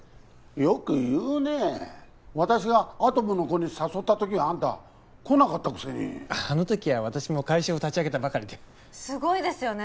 よく言うねえ私がアトムの童に誘った時はあんた来なかったくせにあの時は私も会社を立ち上げたばかりですごいですよね